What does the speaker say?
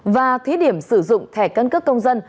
và thí điểm sử dụng thẻ căn cước công dân